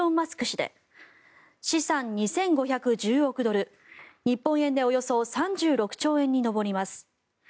氏で資産２５１０億ドル日本円でおよそ３６兆円に上ります。